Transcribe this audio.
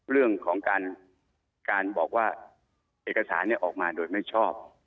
เรื่องของการบอกว่าเอกสารออกมาโดยไม่ชอบ